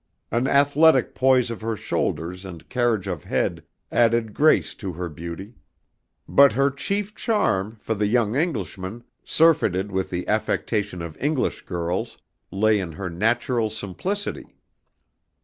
An athletic poise of her shoulders and carriage of head added grace to her beauty. But her chief charm for the young Englishman, surfeited with the affectation of English girls, lay in her natural simplicity.